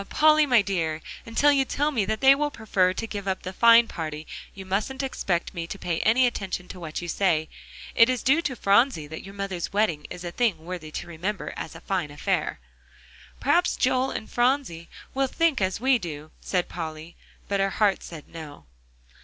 Polly, my dear, until you tell me that they will prefer to give up the fine party, you mustn't expect me to pay any attention to what you say. It's due to Phronsie that your mother's wedding is a thing worthy to remember as a fine affair." "Perhaps Joel and Phronsie will think as we do," said Polly. But her heart said No.